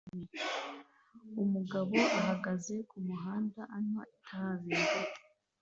Umugabo ahagaze kumuhanda anywa itabi